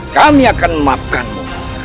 kami akan memaafkanmu